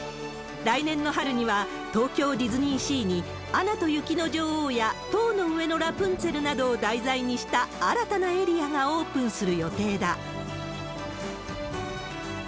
来年の春には、東京ディズニーシーに、アナと雪の女王や塔の上のラプンツェルなどを題材にした新たなエリアがオープンする予定だ。